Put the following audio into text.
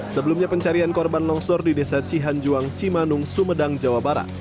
sebelumnya pencarian korban longsor di desa cihanjuang cimanung sumedang jawa barat